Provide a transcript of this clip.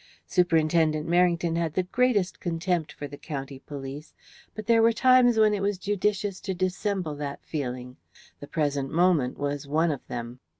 Superintendent Merrington had the greatest contempt for the county police, but there were times when it was judicious to dissemble that feeling. The present moment was one of them.